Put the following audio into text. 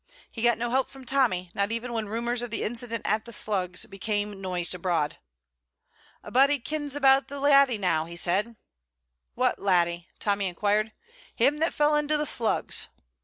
He got no help from Tommy, not even when rumours of the incident at the Slugs became noised abroad. "A'body kens about the laddie now," he said. "What laddie?" Tommy inquired. "Him that fell into the Slugs."